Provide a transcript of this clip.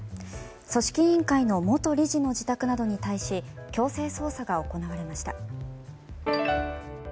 組織委員会の元理事の自宅などに対し強制捜査が行われました。